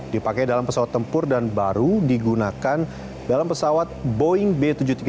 dipakai dalam pesawat tempur dan baru digunakan dalam pesawat boeing b tujuh ratus tiga puluh